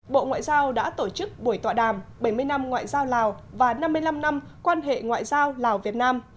bộ ngoại giao đã tổ chức buổi tọa đàm bảy mươi năm ngoại giao lào và năm mươi năm năm quan hệ ngoại giao lào việt nam